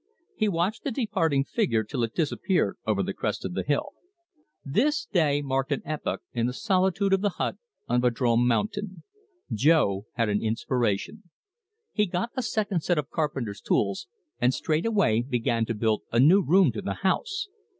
He watched the departing figure till it disappeared over the crest of the hill. This day marked an epoch in the solitude of the hut on Vadrome Mountain. Jo had an inspiration. He got a second set of carpenter's tools, and straightway began to build a new room to the house.